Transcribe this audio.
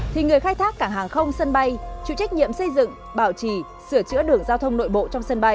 thì người khai thác cảng hàng không sân bay chịu trách nhiệm xây dựng bảo trì sửa chữa đường giao thông nội bộ trong sân bay